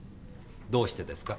どうしてですか？